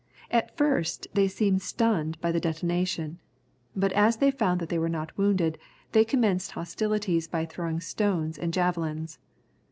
At first they seemed stunned by the detonation, but as they found that they were not wounded, they commenced hostilities by throwing stones and javelins.